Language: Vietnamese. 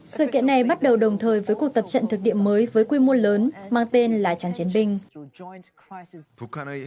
sự kiện này bắt đầu đồng thời với cuộc tập trận thực địa mới với quy mô lớn mang tên là trang chiến binh